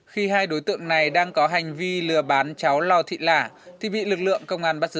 khi hai đối tượng này đang có hành vi lừa bán cháu lò thị lạ thì bị lực lượng công an bắt giữ